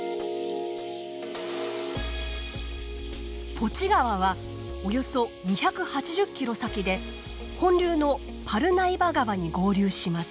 ポチ川はおよそ２８０ｋｍ先で本流のパルナイバ川に合流します。